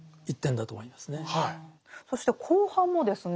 そして後半もですね。